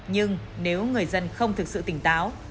nhưng nếu người dân không thực sự tỉnh táo